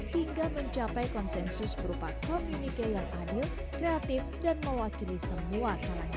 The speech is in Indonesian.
hingga mencapai konsensus berupa komunike yang adil kreatif dan mewakili semua kalangan